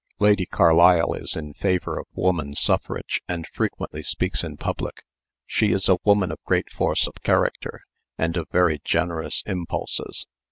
Lady Carlisle is in favor of woman suffrage and frequently speaks in public. She is a woman of great force of character, and of very generous impulses.